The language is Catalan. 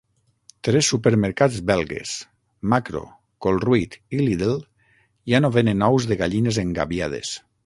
Tres supermercats belgues: Makro, Colruyt i Lidl, ja no venen ous de gallines engabiades.